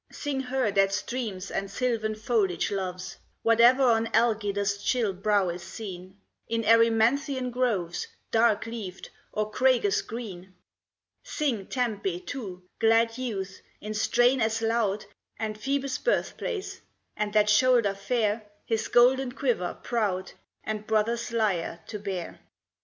Sing her that streams and silvan foliage loves, Whate'er on Algidus' chill brow is seen, In Erymanthian groves Dark leaved, or Cragus green. Sing Tempe too, glad youths, in strain as loud, And Phoebus' birthplace, and that shoulder fair, His golden quiver proud And brother's lyre to bear.